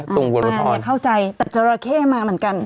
ตรงวันละท้อนอย่าเข้าใจแต่จอราแค่มาเหมือนกัน